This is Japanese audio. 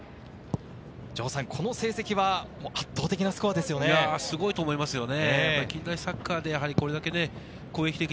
城さん、この成績は圧倒的なスコアですよね。